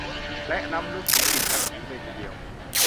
และล้ำลึกถึง สิบ ชั้นผิวเลยทีเดียว